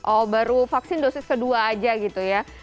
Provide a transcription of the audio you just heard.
oh baru vaksin dosis kedua aja gitu ya